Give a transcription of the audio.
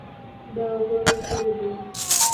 দাও গরম করে দিই।